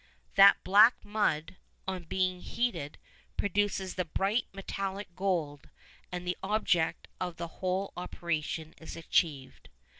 That black mud, on being heated, produces the bright metallic gold, and the object of the whole operation is achieved.